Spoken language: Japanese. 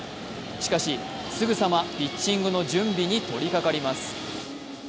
しかし、すぐさまピッチングの準備に取りかかります。